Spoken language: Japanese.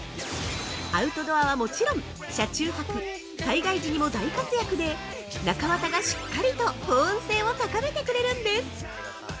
アウトドアはもちろん、車中泊、災害時にも大活躍で、中綿がしっかりと保温性を高めてくれるんです！。